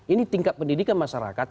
ini tingkat pendidikan masyarakat